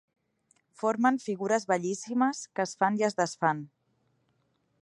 Formen figures bellíssimes que es fan i es desfan.